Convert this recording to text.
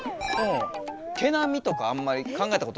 毛なみとかあんまり考えたことなかったけど。